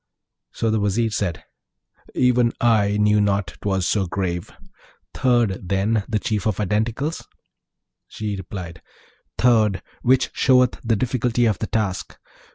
So the Vizier said, 'Even I knew not 'twas so grave! Third, then, the Chief of Identicals?' She replied, 'Third! which showeth the difficulty of the task.